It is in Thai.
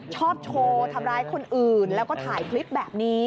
ชอบโชว์ทำร้ายคนอื่นแล้วก็ถ่ายคลิปแบบนี้